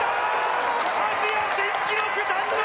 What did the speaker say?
アジア新記録誕生！